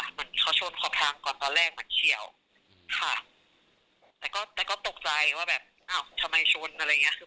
เหมือนเขาชนขอบทางก่อนตอนแรกเหมือนเฉียวค่ะแต่ก็แต่ก็ตกใจว่าแบบอ้าวทำไมชนอะไรอย่างเงี้คือ